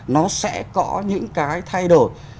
nó sẽ có những cái thay đổi